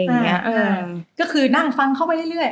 นั่งฟังเข้าไปได้เรื่อย